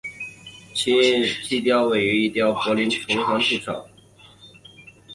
其雕塑出于本市六位雕塑家和一位柏林同行之手。